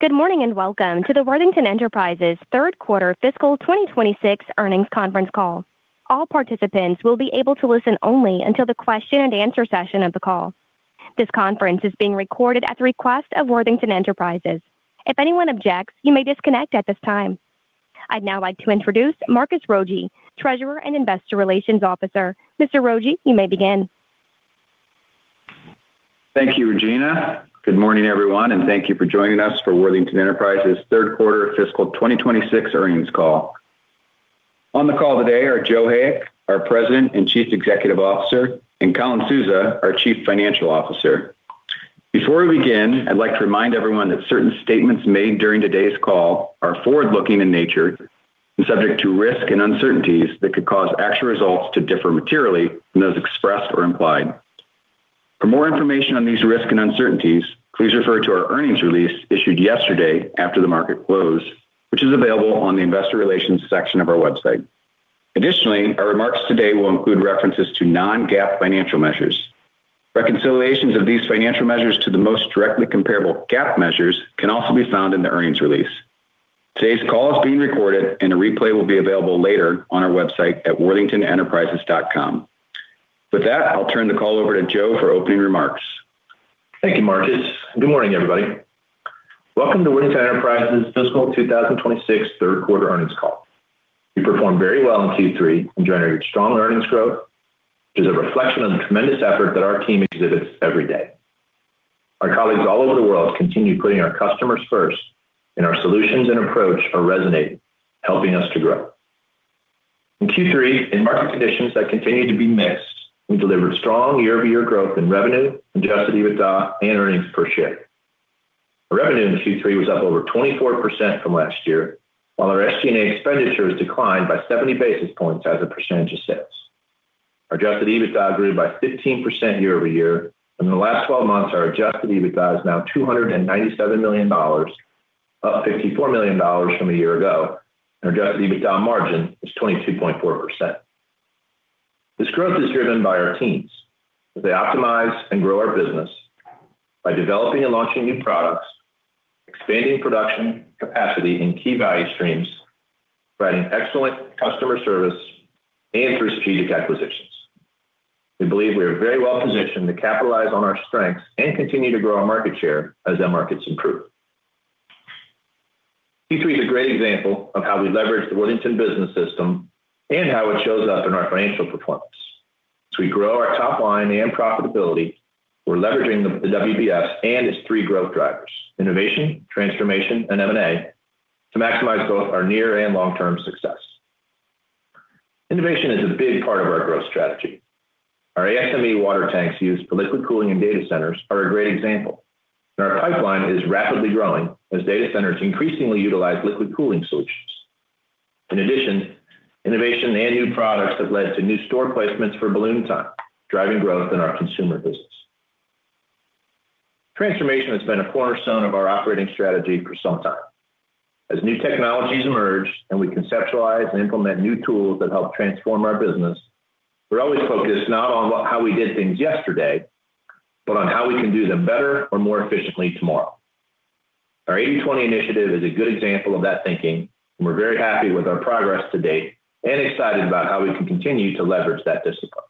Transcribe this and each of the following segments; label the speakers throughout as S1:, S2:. S1: Good morning and welcome to the Worthington Enterprises third quarter fiscal 2026 earnings conference call. All participants will be able to listen only until the question and answer session of the call. This conference is being recorded at the request of Worthington Enterprises. If anyone objects, you may disconnect at this time. I'd now like to introduce Marcus Rogier, Treasurer and Investor Relations Officer. Mr. Rogier, you may begin.
S2: Thank you, Regina. Good morning, everyone, and thank you for joining us for Worthington Enterprises' third quarter fiscal 2026 earnings call. On the call today are Joe Hayek, our President and Chief Executive Officer, and Colin Souza, our Chief Financial Officer. Before we begin, I'd like to remind everyone that certain statements made during today's call are forward-looking in nature and subject to risk and uncertainties that could cause actual results to differ materially from those expressed or implied. For more information on these risks and uncertainties, please refer to our earnings release issued yesterday after the market close, which is available on the investor relations section of our website. Additionally, our remarks today will include references to non-GAAP financial measures. Reconciliations of these financial measures to the most directly comparable GAAP measures can also be found in the earnings release. Today's call is being recorded and a replay will be available later on our website at worthingtonenterprises.com. With that, I'll turn the call over to Joe for opening remarks.
S3: Thank you, Marcus. Good morning, everybody. Welcome to Worthington Enterprises fiscal 2026 third quarter earnings call. We performed very well in Q3 and generated strong earnings growth, which is a reflection of the tremendous effort that our team exhibits every day. Our colleagues all over the world continue putting our customers first, and our solutions and approach are resonating, helping us to grow. In Q3, in market conditions that continued to be mixed, we delivered strong year-over-year growth in revenue, Adjusted EBITDA and earnings per share. Our revenue in Q3 was up over 24% from last year, while our SG&A expenditures declined by 70 basis points as a percentage of sales. Our Adjusted EBITDA grew by 15% year-over-year, and in the last 12 months, our Adjusted EBITDA is now $297 million, up $54 million from a year ago, and our Adjusted EBITDA margin is 22.4%. This growth is driven by our teams as they optimize and grow our business by developing and launching new products, expanding production capacity in key value streams, providing excellent customer service and strategic acquisitions. We believe we are very well positioned to capitalize on our strengths and continue to grow our market share as the markets improve. Q3 is a great example of how we leverage the Worthington Business System and how it shows up in our financial performance. As we grow our top line and profitability, we're leveraging the WBS and its three growth drivers: innovation, transformation, and M&A to maximize both our near and long-term success. Innovation is a big part of our growth strategy. Our ASME water tanks used for liquid cooling in data centers are a great example. Our pipeline is rapidly growing as data centers increasingly utilize liquid cooling solutions. In addition, innovation and new products have led to new store placements for Balloon Time, driving growth in our consumer business. Transformation has been a cornerstone of our operating strategy for some time. As new technologies emerge and we conceptualize and implement new tools that help transform our business, we're always focused not on how we did things yesterday, but on how we can do them better or more efficiently tomorrow. Our 80/20 initiative is a good example of that thinking, and we're very happy with our progress to date and excited about how we can continue to leverage that discipline.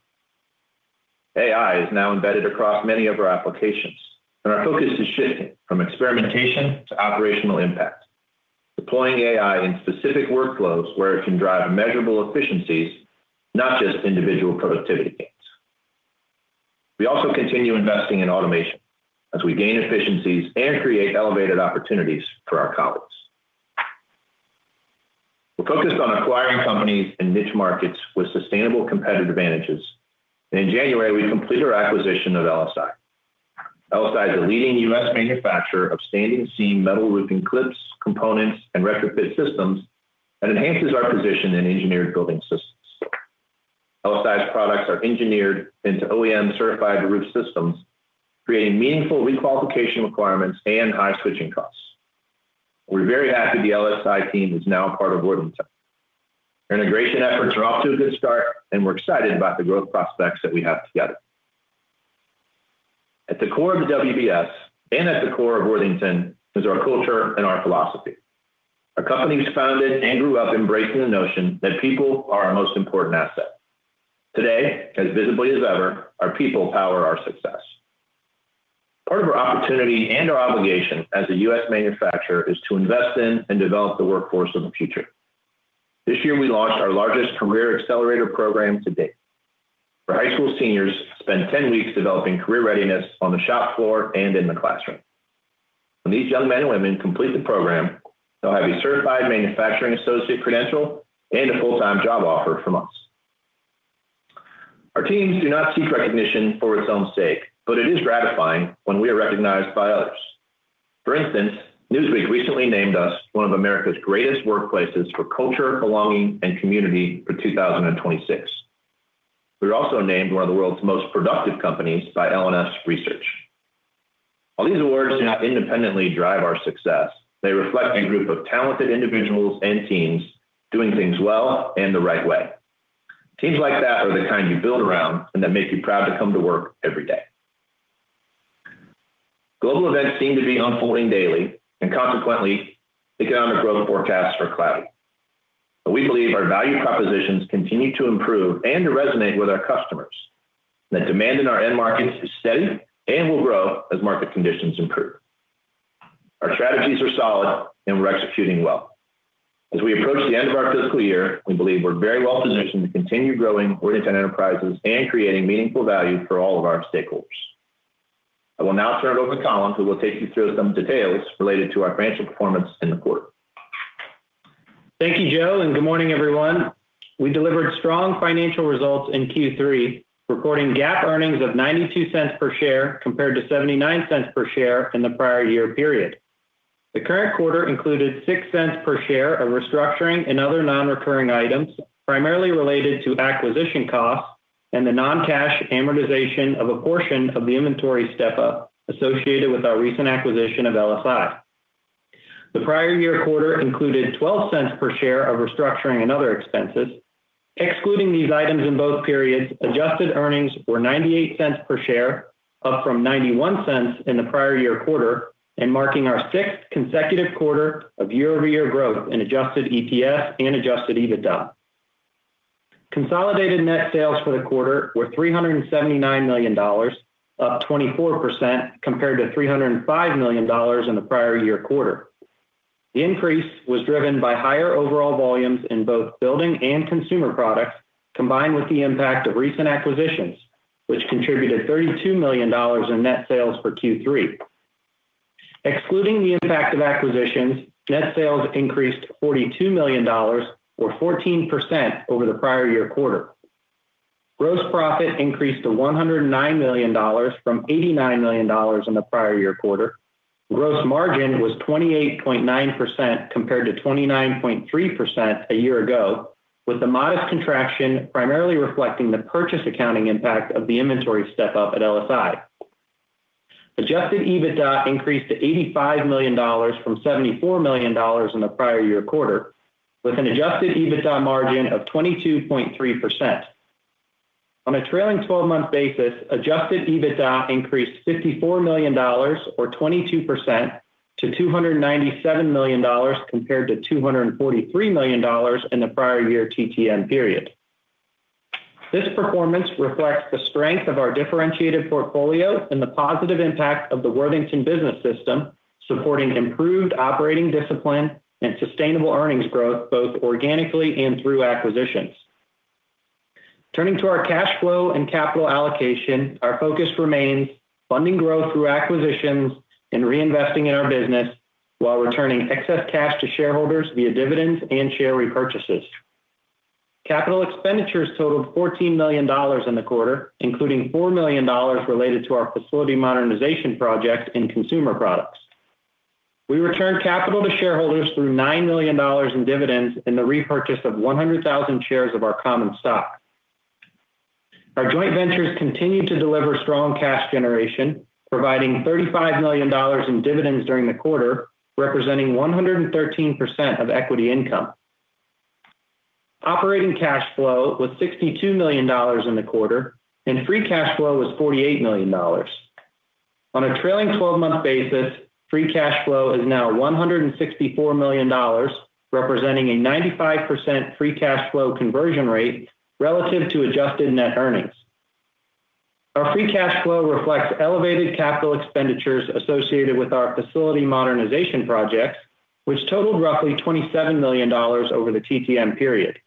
S3: AI is now embedded across many of our applications, and our focus is shifting from experimentation to operational impact, deploying AI in specific workflows where it can drive measurable efficiencies, not just individual productivity gains. We also continue investing in automation as we gain efficiencies and create elevated opportunities for our colleagues. We're focused on acquiring companies in niche markets with sustainable competitive advantages. In January, we completed our acquisition of LSI. LSI is a leading U.S. manufacturer of standing seam metal roofing clips, components, and retrofit systems that enhances our position in engineered building systems. LSI's products are engineered into OEM-certified roof systems, creating meaningful requalification requirements and high switching costs. We're very happy the LSI team is now a part of Worthington. Our integration efforts are off to a good start, and we're excited about the growth prospects that we have together. At the core of the WBS and at the core of Worthington is our culture and our philosophy. Our company was founded and grew up embracing the notion that people are our most important asset. Today, as visibly as ever, our people power our success. Part of our opportunity and our obligation as a U.S. manufacturer is to invest in and develop the workforce of the future. This year, we launched our largest career accelerator program to date, where high school seniors spend 10 weeks developing career readiness on the shop floor and in the classroom. When these young men and women complete the program, they'll have a certified manufacturing associate credential and a full-time job offer from us. Our teams do not seek recognition for its own sake, but it is gratifying when we are recognized by others. For instance, Newsweek recently named us one of America's Greatest Workplaces for Culture, Belonging, and Community for 2026. We're also named one of the world's most productive companies by LNS Research. While these awards do not independently drive our success, they reflect a group of talented individuals and teams doing things well and the right way. Teams like that are the kind you build around and that make you proud to come to work every day. Global events seem to be unfolding daily, and consequently, the economic growth forecasts are cloudy. We believe our value propositions continue to improve and resonate with our customers. The demand in our end markets is steady and will grow as market conditions improve. Our strategies are solid, and we're executing well. As we approach the end of our fiscal year, we believe we're very well-positioned to continue growing Worthington Enterprises and creating meaningful value for all of our stakeholders. I will now turn it over to Colin, who will take you through some details related to our financial performance in the quarter.
S4: Thank you, Joe, and good morning, everyone. We delivered strong financial results in Q3, recording GAAP earnings of $0.92 per share, compared to $0.79 per share in the prior year period. The current quarter included $0.06 per share of restructuring and other non-recurring items, primarily related to acquisition costs and the non-cash amortization of a portion of the inventory step-up associated with our recent acquisition of LSI. The prior year quarter included $0.12 per share of restructuring and other expenses. Excluding these items in both periods, adjusted earnings were $0.98 per share, up from $0.91 in the prior year quarter and marking our sixth consecutive quarter of year-over-year growth in adjusted EPS and Adjusted EBITDA. Consolidated net sales for the quarter were $379 million, up 24% compared to $305 million in the prior year quarter. The increase was driven by higher overall volumes in both building and consumer products, combined with the impact of recent acquisitions, which contributed $32 million in net sales for Q3. Excluding the impact of acquisitions, net sales increased $42 million or 14% over the prior year quarter. Gross profit increased to $109 million from $89 million in the prior year quarter. Gross margin was 28.9% compared to 29.3% a year ago, with the modest contraction primarily reflecting the purchase accounting impact of the inventory step up at LSI. Adjusted EBITDA increased to $85 million from $74 million in the prior year quarter, with an Adjusted EBITDA margin of 22.3%. On a trailing 12-month basis, Adjusted EBITDA increased $54 million or 22% to $297 million compared to $243 million in the prior year TTM period. This performance reflects the strength of our differentiated portfolio and the positive impact of the Worthington Business System, supporting improved operating discipline and sustainable earnings growth, both organically and through acquisitions. Turning to our cash flow and capital allocation, our focus remains funding growth through acquisitions and reinvesting in our business while returning excess cash to shareholders via dividends and share repurchases. Capital expenditures totaled $14 million in the quarter, including $4 million related to our facility modernization project in consumer products. We returned capital to shareholders through $9 million in dividends in the repurchase of 100,000 shares of our common stock. Our joint ventures continued to deliver strong cash generation, providing $35 million in dividends during the quarter, representing 113% of equity income. Operating cash flow was $62 million in the quarter, and free cash flow was $48 million. On a trailing 12-month basis, free cash flow is now $164 million, representing a 95% free cash flow conversion rate relative to adjusted net earnings. Our free cash flow reflects elevated capital expenditures associated with our facility modernization projects, which totaled roughly $27 million over the TTM period.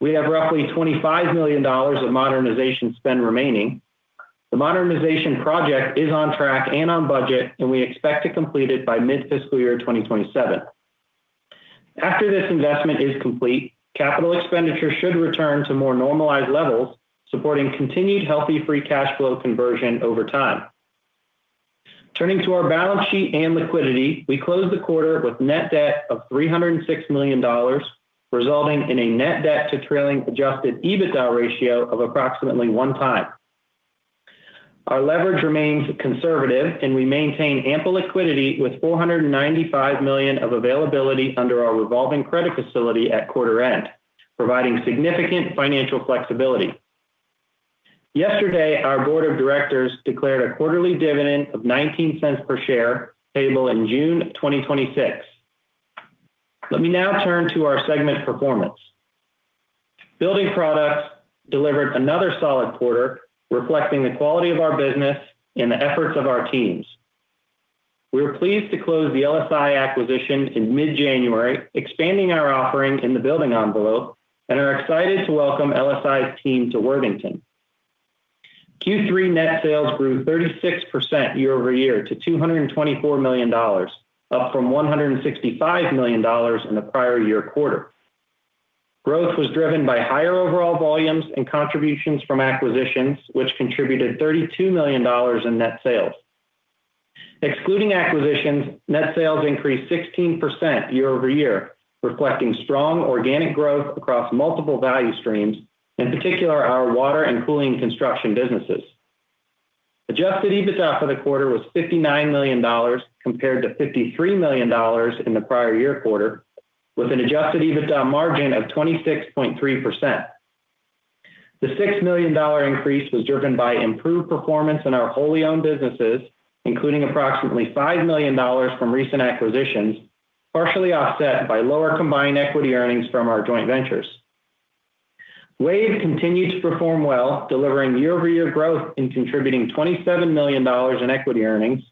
S4: We have roughly $25 million of modernization spend remaining. The modernization project is on track and on budget, and we expect to complete it by mid-fiscal year 2027. After this investment is complete, capital expenditures should return to more normalized levels, supporting continued healthy free cash flow conversion over time. Turning to our balance sheet and liquidity, we closed the quarter with net debt of $306 million, resulting in a net debt to trailing Adjusted EBITDA ratio of approximately 1x. Our leverage remains conservative, and we maintain ample liquidity with $495 million of availability under our revolving credit facility at quarter end, providing significant financial flexibility. Yesterday, our board of directors declared a quarterly dividend of $0.19 per share, payable in June 2026. Let me now turn to our segment performance. Building Products delivered another solid quarter, reflecting the quality of our business and the efforts of our teams. We were pleased to close the LSI acquisition in mid-January, expanding our offering in the building envelope, and are excited to welcome LSI's team to Worthington. Q3 net sales grew 36% year-over-year to $224 million, up from $165 million in the prior year quarter. Growth was driven by higher overall volumes and contributions from acquisitions, which contributed $32 million in net sales. Excluding acquisitions, net sales increased 16% year-over-year, reflecting strong organic growth across multiple value streams, in particular our water and cooling construction businesses. Adjusted EBITDA for the quarter was $59 million compared to $53 million in the prior year quarter, with an Adjusted EBITDA margin of 26.3%. The $6 million increase was driven by improved performance in our wholly owned businesses, including approximately $5 million from recent acquisitions, partially offset by lower combined equity earnings from our joint ventures. WAVE continued to perform well, delivering year-over-year growth and contributing $27 million in equity earnings.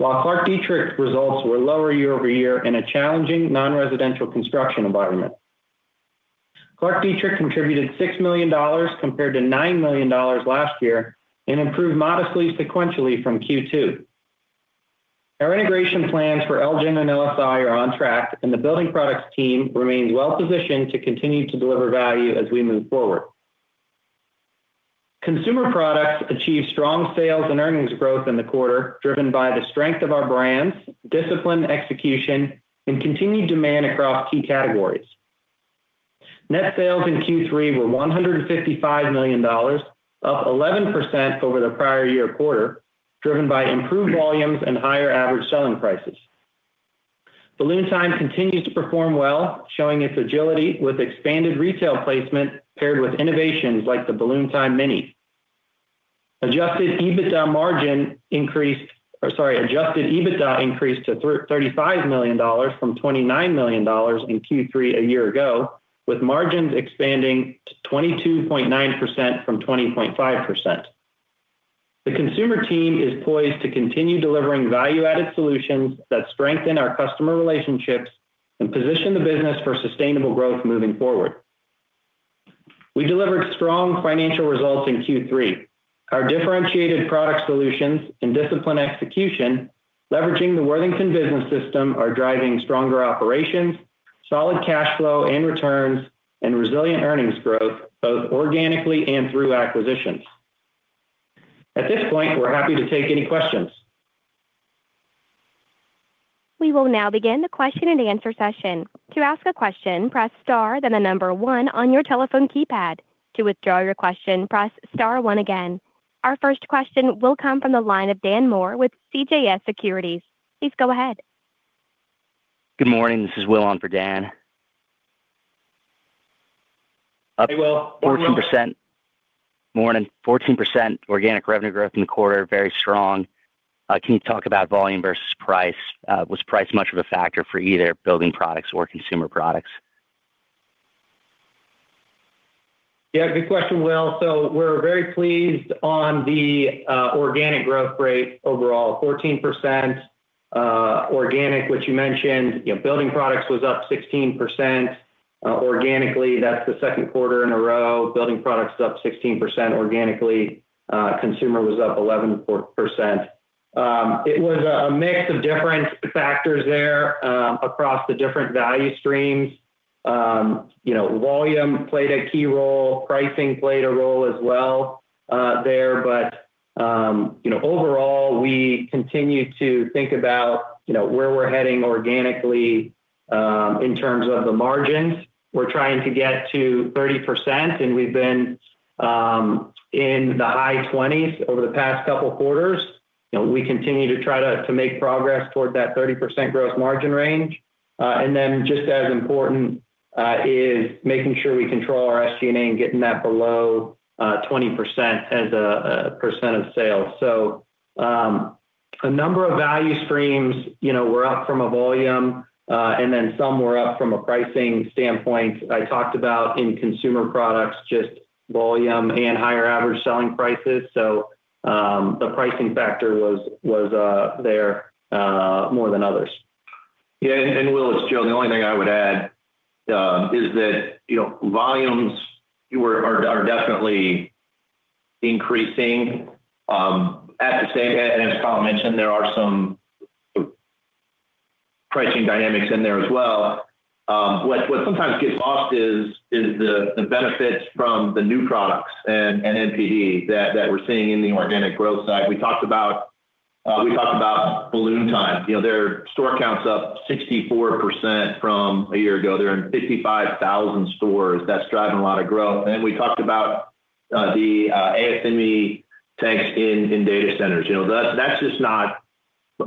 S4: While ClarkDietrich's results were lower year-over-year in a challenging non-residential construction environment, ClarkDietrich contributed $6 million compared to $9 million last year and improved modestly sequentially from Q2. Our integration plans for Elgen and LSI are on track, and the building products team remains well-positioned to continue to deliver value as we move forward. Consumer products achieved strong sales and earnings growth in the quarter, driven by the strength of our brands, disciplined execution, and continued demand across key categories. Net sales in Q3 were $155 million, up 11% over the prior year quarter, driven by improved volumes and higher average selling prices. Balloon Time continues to perform well, showing its agility with expanded retail placement paired with innovations like the Balloon Time Mini. Adjusted EBITDA increased to $35 million from $29 million in Q3 a year ago, with margins expanding to 22.9% from 20.5%. The consumer team is poised to continue delivering value-added solutions that strengthen our customer relationships and position the business for sustainable growth moving forward. We delivered strong financial results in Q3. Our differentiated product solutions and disciplined execution, leveraging the Worthington Business System, are driving stronger operations, solid cash flow and returns, and resilient earnings growth, both organically and through acquisitions. At this point, we're happy to take any questions.
S1: We will now begin question and answer session. To ask a question, press star then the number one on your telephone keypad. To withdraw your question, press star one again. Our first question will come from the line of Dan Moore with CJS Securities. Please go ahead.
S5: Good morning. This is Will on for Dan.
S4: Hey, Will.
S3: Morning, Will.
S5: Morning. 14% organic revenue growth in the quarter, very strong. Can you talk about volume versus price? Was price much of a factor for either building products or consumer products?
S4: Yeah, good question, Will. We're very pleased on the organic growth rate overall, 14%, organic, which you mentioned. Building Products was up 16% organically. That's the second quarter in a row. Building Products is up 16% organically. Consumer was up 11%. It was a mix of different factors there across the different value streams. Volume played a key role. Pricing played a role as well there. Overall, we continue to think about where we're heading organically in terms of the margins. We're trying to get to 30%, and we've been in the high 20s over the past couple quarters. We continue to try to make progress toward that 30% gross margin range. Just as important is making sure we control our SG&A and getting that below 20% as a percent of sales. A number of value streams were up from a volume, and then some were up from a pricing standpoint. I talked about in consumer products, just volume and higher average selling prices. The pricing factor was there more than others.
S3: Yeah. Will, it's Joe. The only thing I would add is that volumes are definitely increasing and as Colin mentioned, there are some pricing dynamics in there as well. What sometimes gets lost is the benefits from the new products and NPD that we're seeing in the organic growth side. We talked about Balloon Time. Their store count's up 64% from a year ago. They're in 55,000 stores. That's driving a lot of growth. We talked about the ASME tanks in data centers. That's just not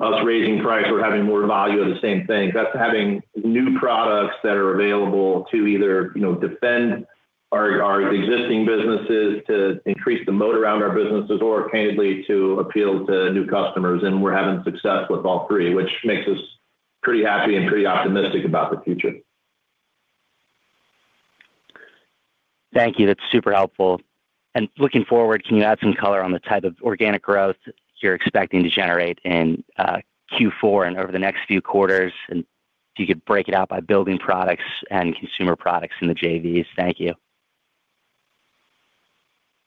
S3: us raising price. We're having more volume of the same thing. That's having new products that are available to either defend our existing businesses, to increase the moat around our businesses, or candidly, to appeal to new customers, and we're having success with all three, which makes us pretty happy and pretty optimistic about the future.
S5: Thank you. That's super helpful. Looking forward, can you add some color on the type of organic growth you're expecting to generate in Q4 and over the next few quarters? If you could break it out by building products and consumer products in the JVs? Thank you.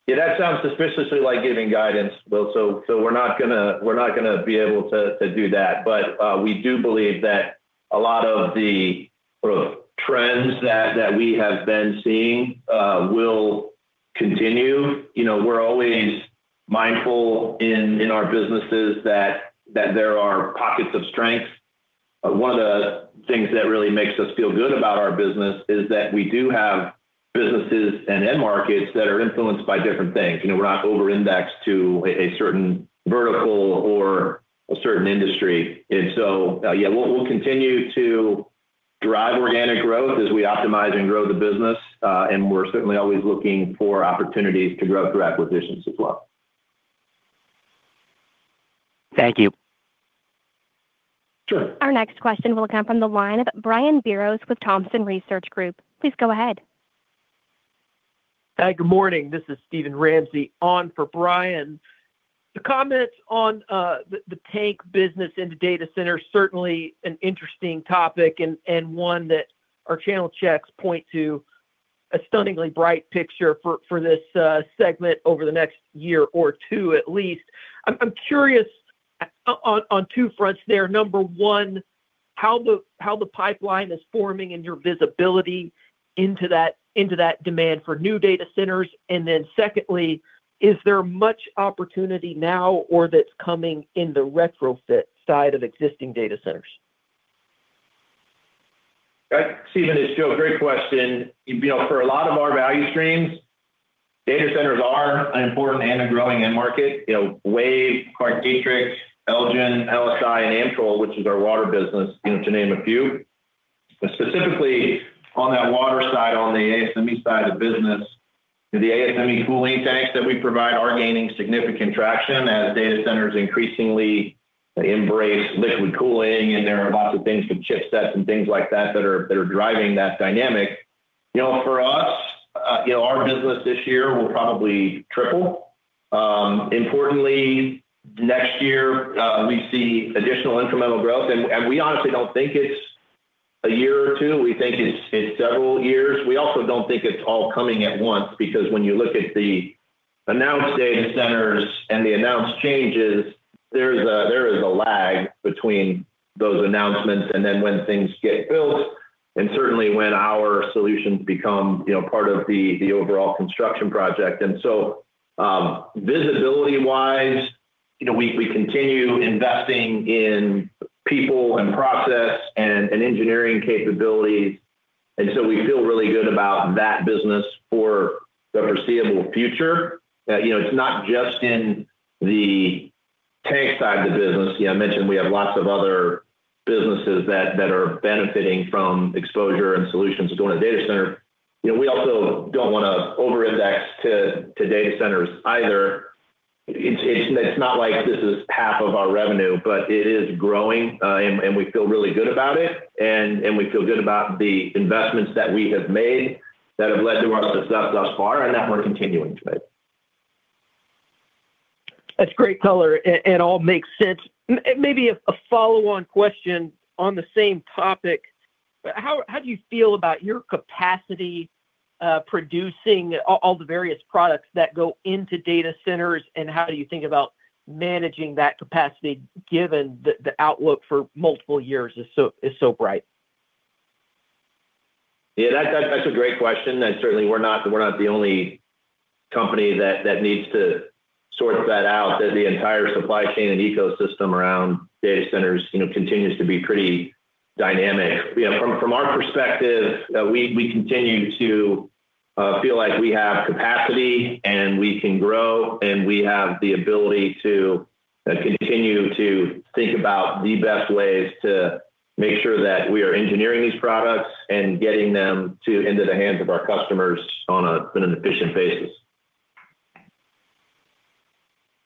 S3: Yeah, that sounds suspiciously like giving guidance, Will. We're not gonna be able to do that. We do believe that a lot of the sort of trends that we have been seeing will continue. We're always mindful in our businesses that there are pockets of strength. One of the things that really makes us feel good about our business is that we do have businesses and end markets that are influenced by different things. We're not over-indexed to a certain vertical or a certain industry. Yeah, we'll continue to drive organic growth as we optimize and grow the business, and we're certainly always looking for opportunities to grow through acquisitions as well.
S5: Thank you.
S3: Sure.
S1: Our next question will come from the line of Brian Biros with Thompson Research Group. Please go ahead.
S6: Good morning. This is Steven Ramsey on for Brian. To comment on the tank business in the data center, certainly an interesting topic and one that our channel checks point to a stunningly bright picture for this segment over the next year or two at least. I'm curious on two fronts there. Number one, how the pipeline is forming and your visibility into that demand for new data centers. Secondly, is there much opportunity now or that's coming in the retrofit side of existing data centers?
S3: Steven, it's Joe. Great question. For a lot of our value streams, data centers are an important and a growing end market. WAVE, ClarkDietrich, Elgen, LSI, and Amtrol, which is our water business to name a few. But specifically on that water side, on the ASME side of the business, the ASME cooling tanks that we provide are gaining significant traction as data centers increasingly embrace liquid cooling, and there are lots of things from chipsets and things like that that are driving that dynamic. For us, our business this year will probably triple. Importantly next year, we see additional incremental growth. We honestly don't think it's a year or two. We think it's several years. We also don't think it's all coming at once because when you look at the announced data centers and the announced changes, there is a lag between those announcements and then when things get built and certainly when our solutions become part of the overall construction project. Visibility-wise, we continue investing in people and process and engineering capabilities. We feel really good about that business for the foreseeable future. It's not just in the tank side of the business. I mentioned we have lots of other businesses that are benefiting from exposure and solutions going to data center. We also don't wanna over-index to data centers either. It's not like this is half of our revenue, but it is growing, and we feel really good about it and we feel good about the investments that we have made that have led to our success thus far and that we're continuing to make.
S6: That's great color. It all makes sense. Maybe a follow-on question on the same topic. How do you feel about your capacity producing all the various products that go into data centers? How do you think about managing that capacity given the outlook for multiple years is so bright?
S3: Yeah, that's a great question, and certainly we're not the only company that needs to sort that out, that the entire supply chain and ecosystem around data centers continues to be pretty dynamic. From our perspective, we continue to feel like we have capacity, and we can grow, and we have the ability to continue to think about the best ways to make sure that we are engineering these products and getting them into the hands of our customers on an efficient basis.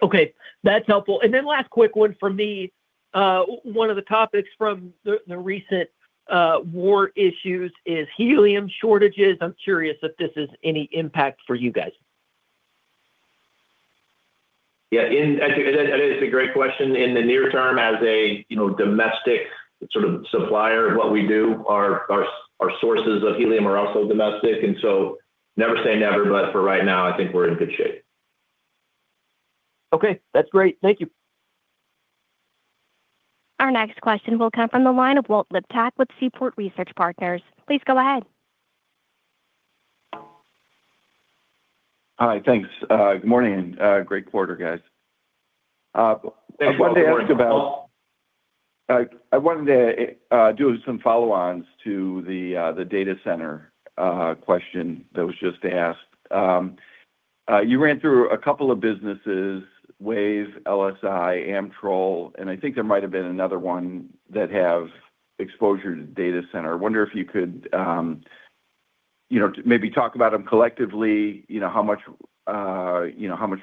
S6: Okay. That's helpful. Last quick one from me. One of the topics from the recent war issues is helium shortages. I'm curious if this is any impact for you guys.
S3: Yeah. I think that is a great question. In the near term, as a domestic sort of supplier of what we do, our sources of helium are also domestic, and so never say never, but for right now, I think we're in good shape.
S6: Okay. That's great. Thank you.
S1: Our next question will come from the line of Walter Liptak with Seaport Research Partners. Please go ahead.
S7: Hi. Thanks. Good morning, and great quarter, guys. I wanted to ask about. I wanted to do some follow-ons to the data center question that was just asked. You ran through a couple of businesses, WAVE, LSI, Amtrol, and I think there might have been another one that have exposure to data center. I wonder if you could, maybe talk about them collectively, how much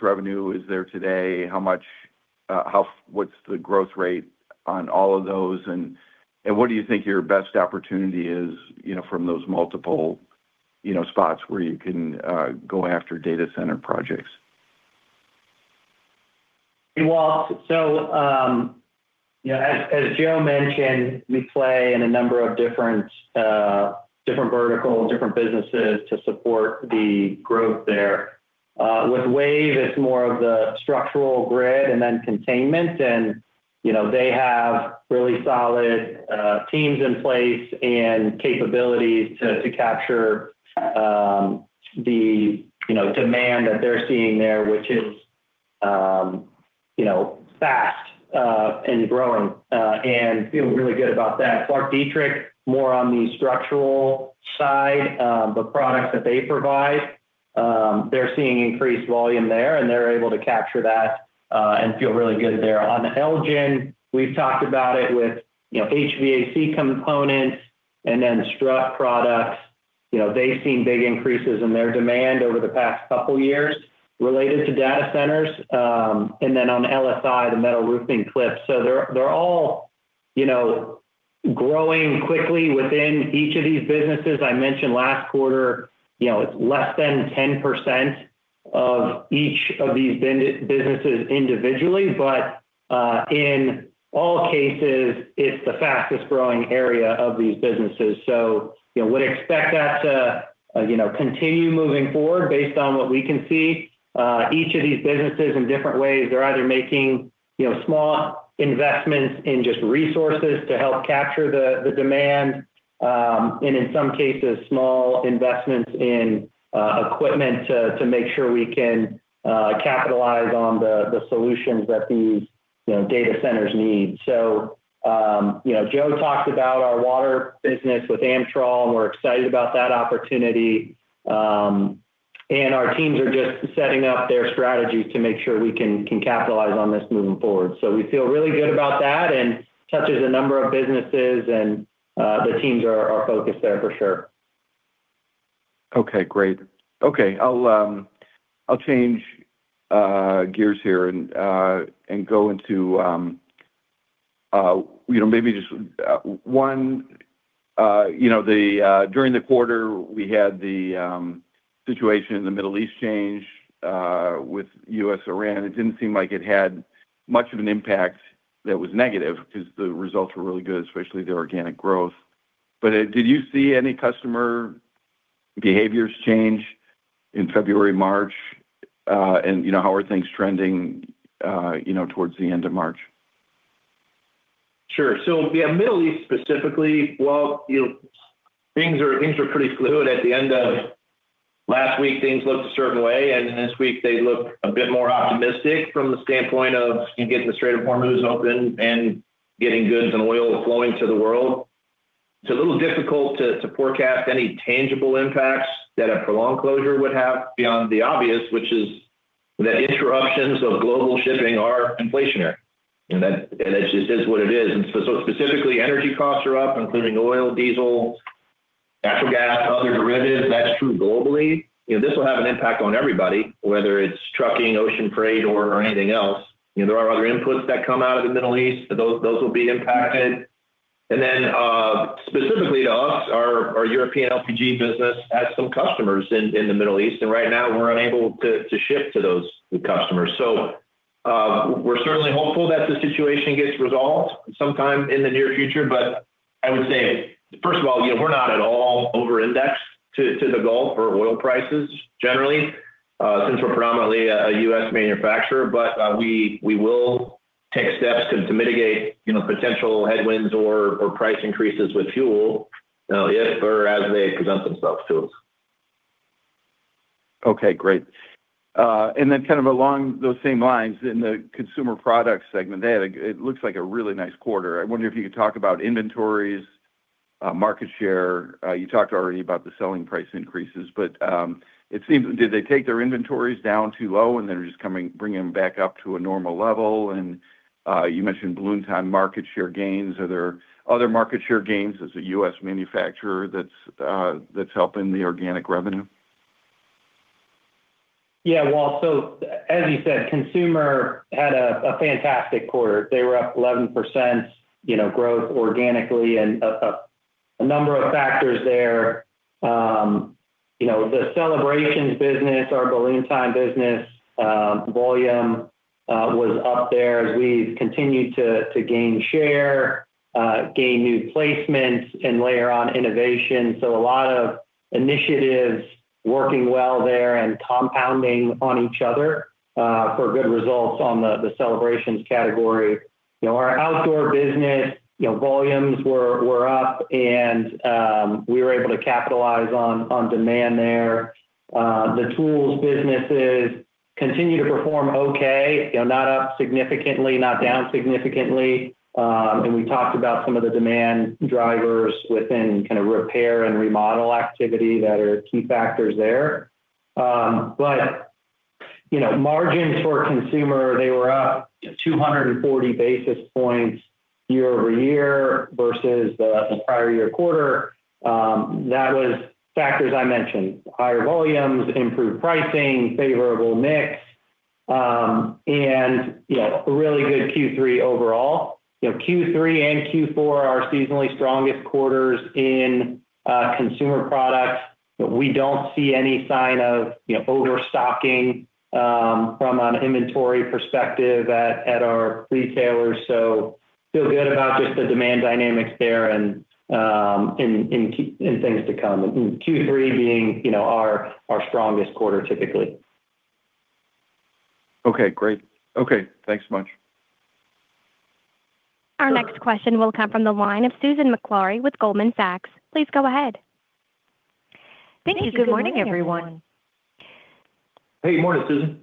S7: revenue is there today, what's the growth rate on all of those, and what do you think your best opportunity is from those multiple spots where you can go after data center projects?
S4: Hey, Walt. As Joe mentioned, we play in a number of different verticals, different businesses to support the growth there. With WAVE, it's more of the structural grid and then containment. They have really solid teams in place and capabilities to capture the demand that they're seeing there, which is fast, and growing, and feeling really good about that. ClarkDietrich, more on the structural side, the products that they provide, they're seeing increased volume there, and they're able to capture that, and feel really good there. On Elgen, we've talked about it with HVAC components and then strut products. They've seen big increases in their demand over the past couple years related to data centers. And then on LSI, the metal roofing clips. So they're all growing quickly within each of these businesses. I mentioned last quarter, it's less than 10% of each of these businesses individually, but, in all cases, it's the fastest-growing area of these businesses. So, would expect that to continue moving forward based on what we can see. Each of these businesses in different ways, they're either making small investments in just resources to help capture the demand, and in some cases, small investments in equipment to make sure we can capitalize on the solutions that these data centers need. Joe talked about our water business with Amtrol, and we're excited about that opportunity. Our teams are just setting up their strategies to make sure we can capitalize on this moving forward. We feel really good about that and touches a number of businesses, and the teams are focused there for sure.
S7: Okay, great. I'll change gears here and go into maybe just one during the quarter we had the situation in the Middle East change with U.S./Iran. It didn't seem like it had much of an impact that was negative because the results were really good, especially the organic growth. Did you see any customer behaviors change in February, March? How are things trending towards the end of March?
S4: Sure. Yeah, Middle East specifically. Well, things were pretty fluid at the end of last week. Things looked a certain way, and this week they look a bit more optimistic from the standpoint of getting the Strait of Hormuz open and getting goods and oil flowing to the world. It's a little difficult to forecast any tangible impacts that a prolonged closure would have beyond the obvious, which is that interruptions of global shipping are inflationary. That just is what it is. Specifically, energy costs are up, including oil, diesel, natural gas, other derivatives. That's true globally. This will have an impact on everybody, whether it's trucking, ocean freight or anything else. There are other inputs that come out of the Middle East. Those will be impacted. Specifically to us, our European LPG business has some customers in the Middle East, and right now we're unable to ship to those customers. We're certainly hopeful that the situation gets resolved sometime in the near future. I would say, first of all we're not at all over-indexed to the Gulf or oil prices generally, since we're predominantly a U.S. manufacturer. We will take steps to mitigate potential headwinds or price increases with fuel, if or as they present themselves to us.
S7: Okay, great. Then kind of along those same lines, in the consumer products segment, they had a really nice quarter. I wonder if you could talk about inventories, market share. You talked already about the selling price increases, but it seems. Did they take their inventories down too low and they're just bringing them back up to a normal level? You mentioned Balloon Time market share gains. Are there other market share gains as a U.S. manufacturer that's helping the organic revenue?
S4: Yeah. Well, as you said, consumer had a fantastic quarter. They were up 11% growth organically and a number of factors there. The celebrations business, our Balloon Time business, volume was up there as we've continued to gain share, gain new placements and layer on innovation. A lot of initiatives working well there and compounding on each other for good results on the celebrations category. Our outdoor business volumes were up and we were able to capitalize on demand there. The tools businesses continue to perform okay, not up significantly, not down significantly. We talked about some of the demand drivers within kind of repair and remodel activity that are key factors there. Margins for consumer, they were up 240 basis points year-over-year versus the prior year quarter. That was factors I mentioned, higher volumes, improved pricing, favorable mix, and a really good Q3 overall. Q3 and Q4 are our seasonally strongest quarters in consumer products. We don't see any sign of overstocking from an inventory perspective at our retailers. So feel good about just the demand dynamics there and in things to come, and Q3 being our strongest quarter typically.
S7: Okay, great. Okay, thanks much.
S1: Next question will come from the line of Susan Maklari with Goldman Sachs. Please go ahead.
S8: Thank you. Good morning, everyone.
S3: Hey, good morning, Susan.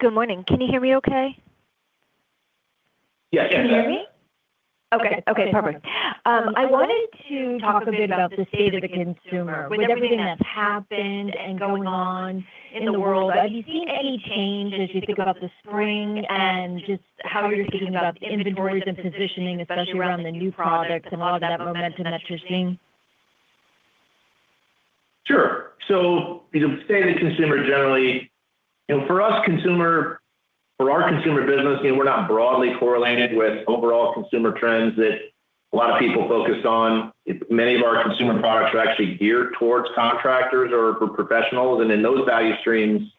S8: Good morning. Can you hear me okay?
S3: Yes.
S4: Yes.
S8: Can you hear me? Okay. Okay, perfect. I wanted to talk a bit about the state of the consumer. With everything that's happened and going on in the world, have you seen any change as you think about the spring and just how you're thinking about inventories and positioning, especially around the new products and a lot of that momentum that you're seeing?
S3: Sure. The state of the consumer generally. For us, consumer, for our consumer business we're not broadly correlated with overall consumer trends that a lot of people focus on. Many of our consumer products are actually geared towards contractors or for professionals, and in those value streams,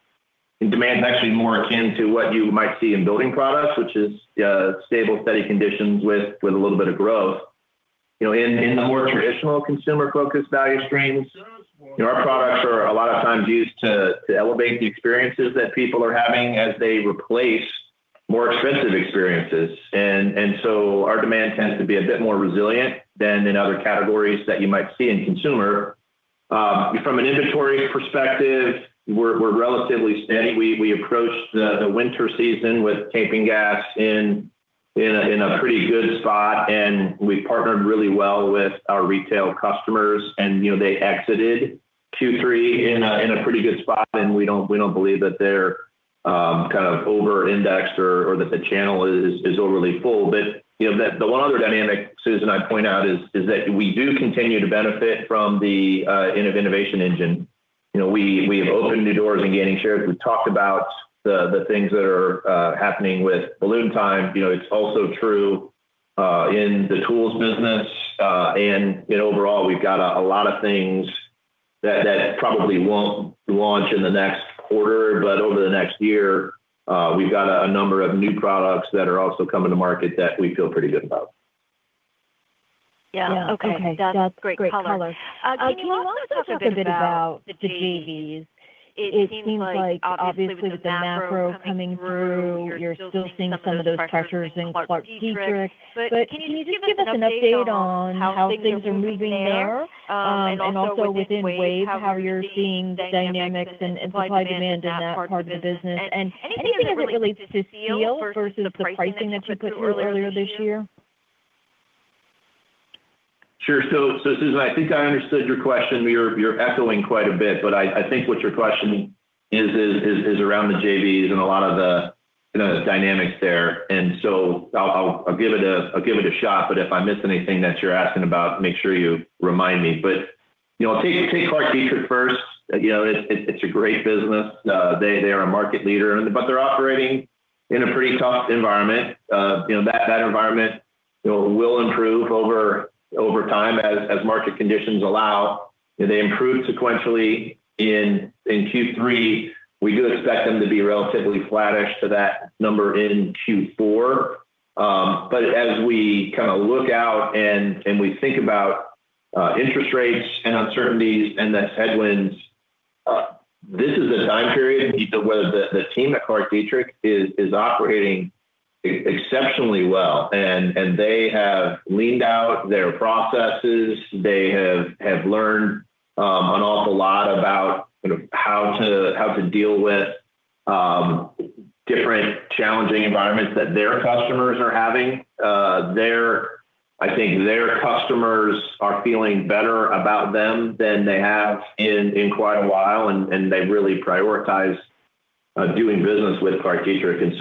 S3: the demand is actually more akin to what you might see in building products, which is stable, steady conditions with a little bit of growth. In the more traditional consumer-focused value streams, our products are a lot of times used to elevate the experiences that people are having as they replace more expensive experiences. Our demand tends to be a bit more resilient than in other categories that you might see in consumer. From an inventory perspective, we're relatively steady. We approached the winter season with camping gas in a pretty good spot, and we partnered really well with our retail customers and they exited Q3 in a pretty good spot, and we don't believe that they're kind of over-indexed or that the channel is overly full. The one other dynamic, Susan, I'd point out is that we do continue to benefit from the innovation engine. We have opened new doors in gaining shares. We've talked about the things that are happening with Balloon Time. It's also true in the tools business, and overall we've got a lot of things that probably won't launch in the next quarter, but over the next year, we've got a number of new products that are also coming to market that we feel pretty good about.
S8: Yeah. Okay. That's great color. Can you also talk a bit about the JVs? It seems like obviously with the macro coming through, you're still seeing some of those pressures in ClarkDietrich. Can you just give us an update on how things are moving there, and also within WAVE, how you're seeing the dynamics and supply and demand in that part of the business? Anything as it relates to steel versus the pricing that you put through earlier this year?
S3: Sure. Susan, I think I understood your question. You're echoing quite a bit, but I think what your question is around the JVs and a lot of the dynamics there. So I'll give it a shot, but if I miss anything that you're asking about, make sure you remind me. Take ClarkDietrich first. You know, it's a great business. They’re a market leader, but they're operating in a pretty tough environment. You know, that environment will improve over time as market conditions allow. They improved sequentially in Q3. We do expect them to be relatively flattish to that number in Q4. As we kind of look out and we think about interest rates and uncertainties and the headwinds, this is a time period where the team at ClarkDietrich is operating exceptionally well. They have leaned out their processes. They have learned an awful lot about how to deal with different challenging environments that their customers are having. I think their customers are feeling better about them than they have in quite a while, and they really prioritize doing business with ClarkDietrich.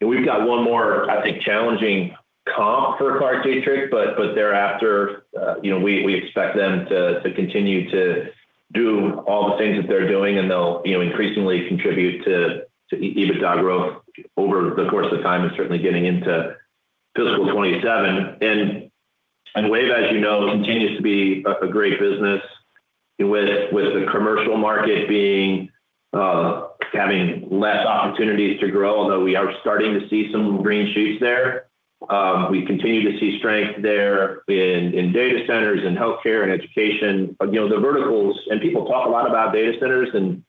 S3: We've got one more, I think, challenging comp for ClarkDietrich, but thereafter we expect them to continue to do all the things that they're doing and they'll increasingly contribute to EBITDA growth over the course of the time and certainly getting into fiscal 2027. WAVE, as you know, continues to be a great business with the commercial market having less opportunities to grow, although we are starting to see some green shoots there. We continue to see strength there in data centers and healthcare and education. The verticals, and people talk a lot about data centers and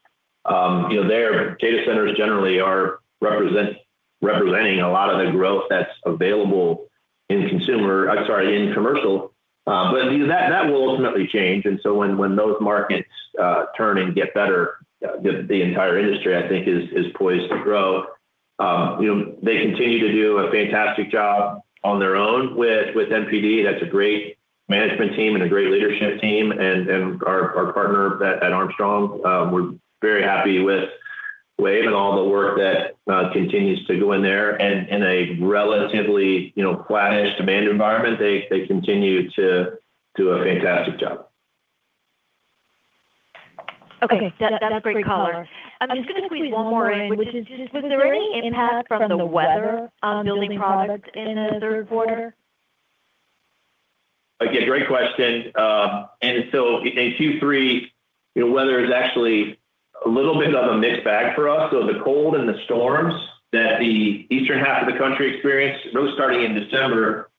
S3: their data centers generally are representing a lot of the growth that's available in consumer, I'm sorry, in commercial. That will ultimately change, so when those markets turn and get better, the entire industry, I think, is poised to grow. You know, they continue to do a fantastic job on their own with MPD. That's a great management team and a great leadership team and our partner at Armstrong. We're very happy with WAVE and all the work that continues to go in there. In a relatively flattish demand environment they continue to do a fantastic job.
S8: Okay. That's great color. I'm just gonna squeeze one more in, which is just was there any impact from the weather on building products in the third quarter?
S3: Again, great question. In Q3, weather is actually a little bit of a mixed bag for us. The cold and the storms that the eastern half of the country experienced, those starting in December,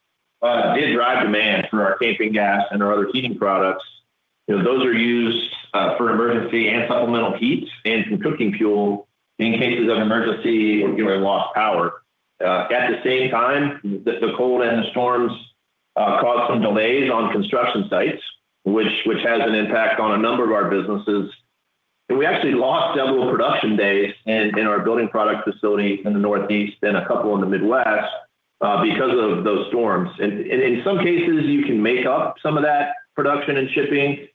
S3: did drive demand for our camping gas and our other heating products. Those are used for emergency and supplemental heat and some cooking fuel in cases of emergency or lost power. At the same time, the cold and the storms caused some delays on construction sites, which has an impact on a number of our businesses. We actually lost several production days in our building product facility in the Northeast and a couple in the Midwest because of those storms. In some cases, you can make up some of that production and shipping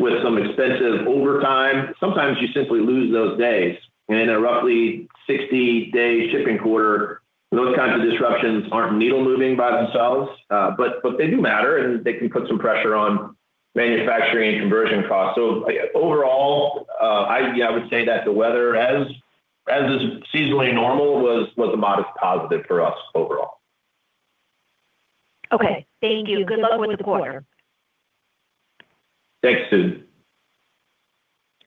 S3: with some expensive overtime. Sometimes you simply lose those days. In a roughly 60-day shipping quarter, those kinds of disruptions aren't needle-moving by themselves, but they do matter, and they can put some pressure on manufacturing and conversion costs. Overall, I would say that the weather as is seasonally normal was a modest positive for us overall.
S8: Okay. Thank you. Good luck with the quarter.
S3: Thanks, Susan.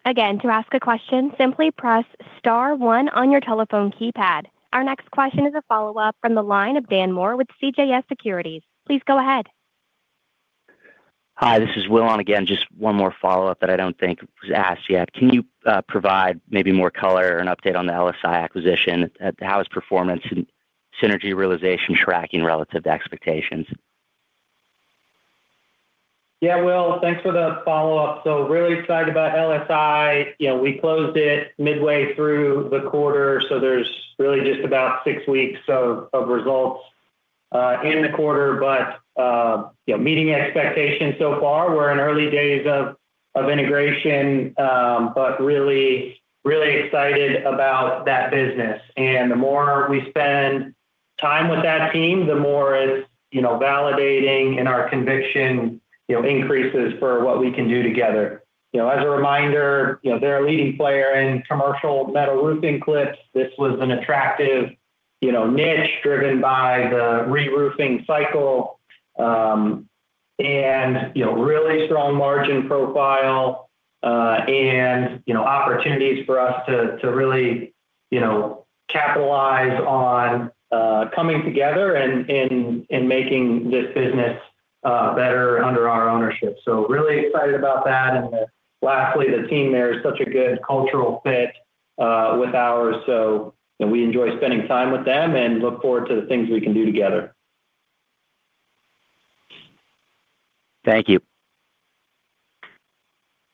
S1: Again, to ask a question, simply press star one on your telephone keypad. Our next question is a follow-up from the line of Dan Moore with CJS Securities. Please go ahead.
S5: Hi, this is Will on again. Just one more follow-up that I don't think was asked yet. Can you provide maybe more color and update on the LSI acquisition? How is performance and synergy realization tracking relative to expectations?
S3: Yeah, Will, thanks for the follow-up. Really excited about LSI. You know, we closed it midway through the quarter, so there's really just about six weeks of results in the quarter. You know, meeting expectations so far. We're in early days of integration, but really excited about that business. The more we spend time with that team, the more it's validating and our conviction increases for what we can do together. You know, as a reminder they're a leading player in commercial metal roofing clips. This was an attractive niche driven by the reroofing cycle, and really strong margin profile, and opportunities for us to really capitalize on coming together and making this business better under our ownership. So, really excited about that. Then lastly, the team there is such a good cultural fit, with ours, so, and we enjoy spending time with them and look forward to the things we can do together.
S5: Thank you.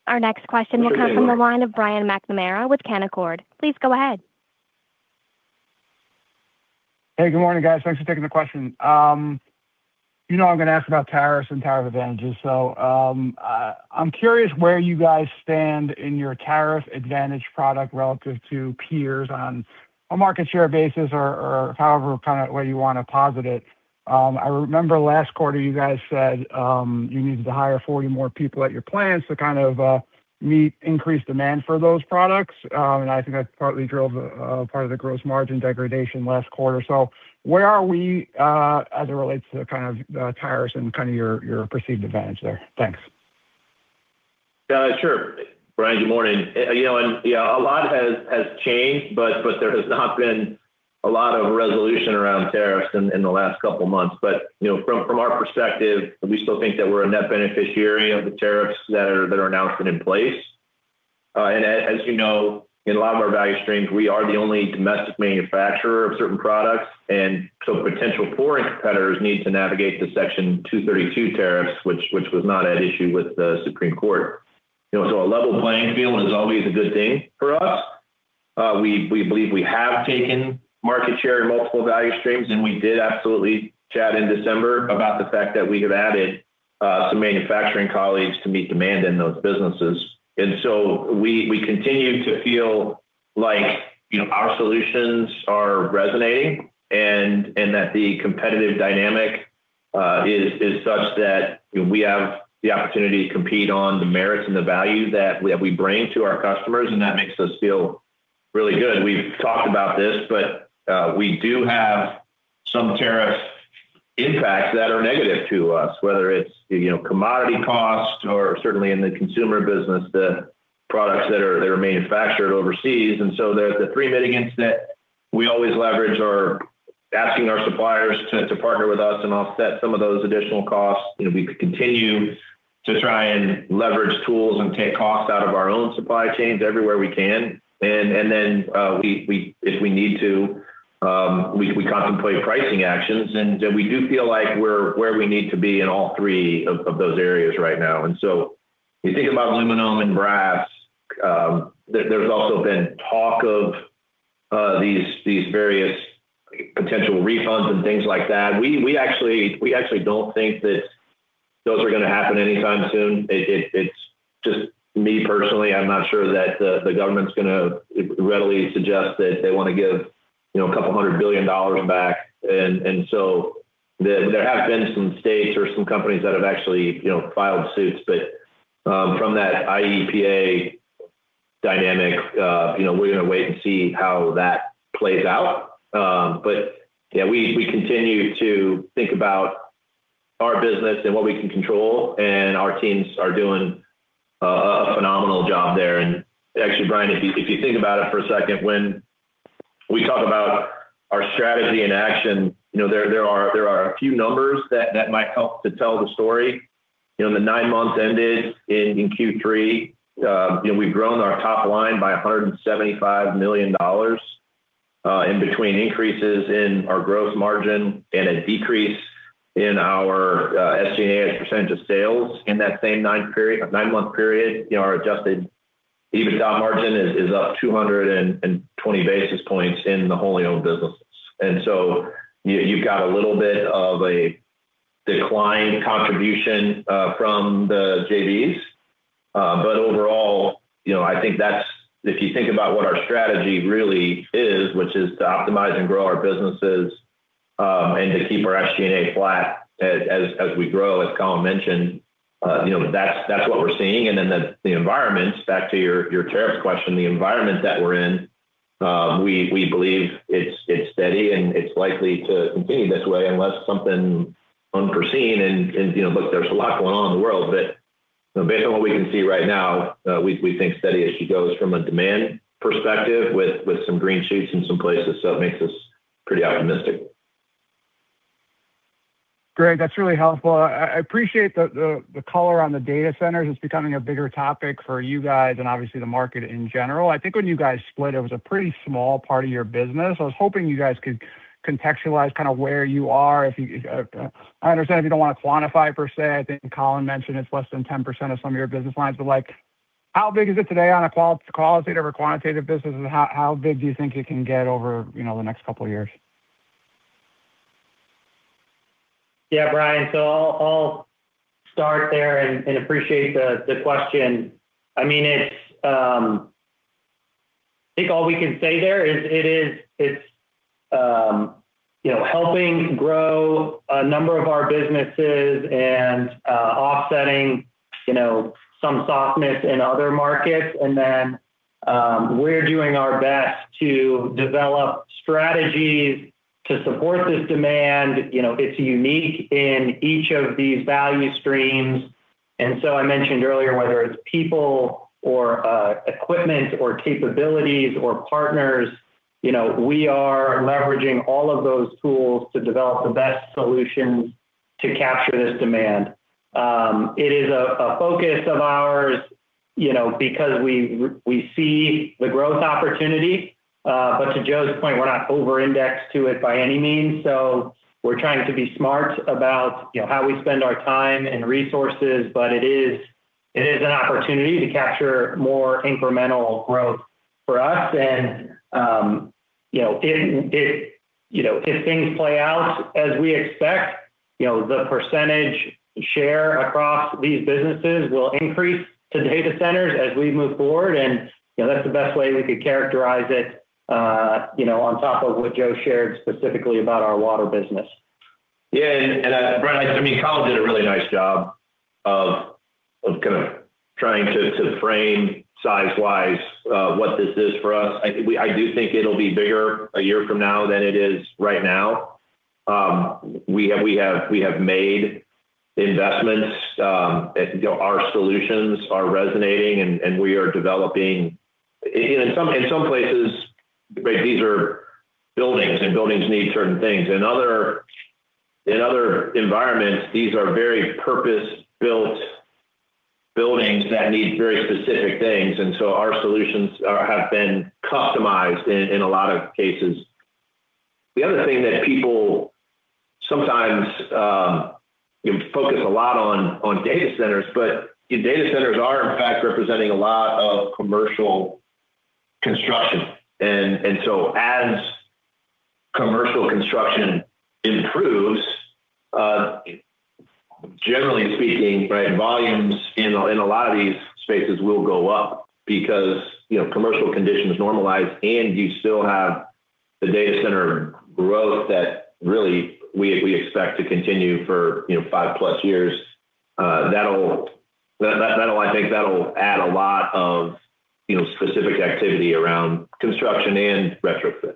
S1: Our next question will come from the line of Brian McNamara with Canaccord. Please go ahead.
S9: Hey, good morning, guys. Thanks for taking the question. You know I'm gonna ask about tariffs and tariff advantages. I'm curious where you guys stand in your tariff advantage product relative to peers on a market share basis or however kind of way you want to posit it. I remember last quarter you guys said you needed to hire 40 more people at your plants to kind of meet increased demand for those products. I think that partly drove part of the gross margin degradation last quarter. Where are we as it relates to the kind of tariffs and kind of your perceived advantage there? Thanks.
S3: Yeah, sure. Brian, good morning. A lot has changed, but there has not been a lot of resolution around tariffs in the last couple of months. From our perspective, we still think that we're a net beneficiary of the tariffs that are now put in place. And as in a lot of our value streams, we are the only domestic manufacturer of certain products, and so potential foreign competitors need to navigate the Section 232 tariffs, which was not at issue with the Supreme Court. So a level playing field is always a good thing for us. We believe we have taken market share in multiple value streams, and we did absolutely chat in December about the fact that we have added some manufacturing colleagues to meet demand in those businesses. We continue to feel like our solutions are resonating and that the competitive dynamic is such that we have the opportunity to compete on the merits and the value that we bring to our customers, and that makes us feel really good. We've talked about this, but we do have some tariff impacts that are negative to us, whether it's the commodity costs or certainly in the consumer business, the products that are manufactured overseas. There's the three mitigants that we always leverage are asking our suppliers to partner with us and offset some of those additional costs. You know, we continue to try and leverage tools and take costs out of our own supply chains everywhere we can. Then, if we need to, we contemplate pricing actions. We do feel like we're where we need to be in all three of those areas right now. You think about aluminum and brass, there's also been talk of these various potential refunds and things like that. We actually don't think that those are gonna happen anytime soon. It's just me personally, I'm not sure that the government's gonna readily suggest that they want to give $200 billion back. There have been some states or some companies that have actually filed suits, but from that IEEPA dynamic we're gonna wait and see how that plays out. We continue to think about our business and what we can control, and our teams are doing a phenomenal job there. Actually, Brian, if you think about it for a second, when we talk about our strategy and action. You know, there are a few numbers that might help to tell the story. You know, in the nine months ended in Q3, we've grown our top line by $175 million, in between increases in our gross margin and a decrease in our SG&A as a % of sales in that same nine-month period. Our Adjusted EBITDA margin is up 220 basis points in the wholly owned businesses. You've got a little bit of a decline contribution from the JVs. But overall, I think that's it. If you think about what our strategy really is, which is to optimize and grow our businesses, and to keep our SG&A flat as we grow, as Colin mentioned that's what we're seeing. Back to your tariff question, the environment that we're in. We believe it's steady and it's likely to continue this way unless something unforeseen and look, there's a lot going on in the world. But based on what we can see right now, we think steady as she goes from a demand perspective with some green shoots in some places. It makes us pretty optimistic.
S9: Great. That's really helpful. I appreciate the color on the data centers. It's becoming a bigger topic for you guys and obviously the market in general. I think when you guys split, it was a pretty small part of your business. I was hoping you guys could contextualize kinda where you are. I understand if you don't wanna quantify per se. I think Colin mentioned it's less than 10% of some of your business lines. But, like, how big is it today on a qualitative or quantitative basis? How big do you think it can get over the next couple of years?
S4: Yeah. Brian, I'll start there and appreciate the question. I mean, I think all we can say there is it's helping grow a number of our businesses and offsetting some softness in other markets. We're doing our best to develop strategies to support this demand. You know, it's unique in each of these value streams. I mentioned earlier, whether it's people or equipment or capabilities or partners, we are leveraging all of those tools to develop the best solutions to capture this demand. It is a focus of ours because we see the growth opportunity. But to Joe's point, we're not over-indexed to it by any means. We're trying to be smart about how we spend our time and resources. It is an opportunity to capture more incremental growth for us. You know, if things play out as we expect the percentage share across these businesses will increase to data centers as we move forward. That's the best way we could characterize it on top of what Joe shared specifically about our water business.
S3: Brian, I mean, Colin did a really nice job of kinda trying to frame size-wise what this is for us. I do think it'll be bigger a year from now than it is right now. We have made investments. Our solutions are resonating, and we are developing. In some places right these are buildings, and buildings need certain things. In other environments these are very purpose-built buildings that need very specific things. Our solutions have been customized in a lot of cases. The other thing that people sometimes focus a lot on data centers, but data centers are in fact representing a lot of commercial construction. As commercial construction improves, generally speaking, right, volumes in a lot of these spaces will go up because commercial conditions normalize and you still have the data center growth that really we expect to continue for 5+ years. That'll—I think that'll add a lot of specific activity around construction and retrofit.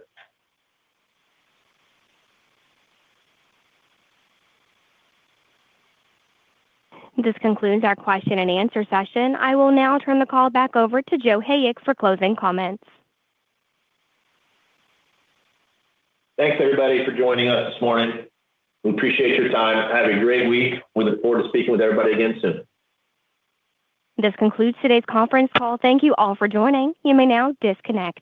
S1: This concludes our question and answer session. I will now turn the call back over to Joe Hayek for closing comments.
S3: Thanks, everybody, for joining us this morning. We appreciate your time. Have a great week. We look forward to speaking with everybody again soon.
S1: This concludes today's conference call. Thank you all for joining. You may now disconnect.